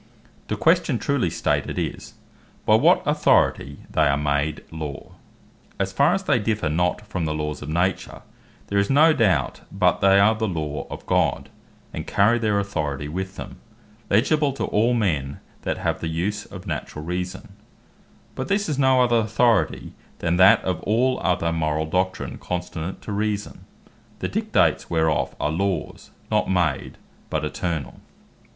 The question truly stated is, By What Authority They Are Made Law. Their Authority And Interpretation As far as they differ not from the Laws of Nature, there is no doubt, but they are the Law of God, and carry their Authority with them, legible to all men that have the use of naturall reason: but this is no other Authority, then that of all other Morall Doctrine consonant to Reason; the Dictates whereof are Laws, not Made, but Eternall.